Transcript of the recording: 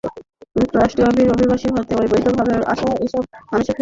যুক্তরাষ্ট্রে অভিবাসী হতে অবৈধভাবে আসা এসব মানুষকে ফেরত পাঠানোর ঘটনা নিয়মিত ঘটছে।